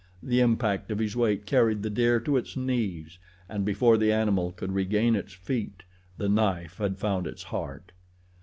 The impact of his weight carried the deer to its knees and before the animal could regain its feet the knife had found its heart.